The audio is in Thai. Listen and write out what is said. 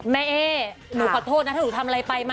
แม่เอ๊หนูขอโทษนะถ้าหนูทำอะไรไป